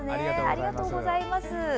ありがとうございます。